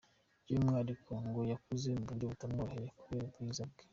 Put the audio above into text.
By’umwihariko ngo yakuze mu buryo butamworoheye kubera ubwiza bwe.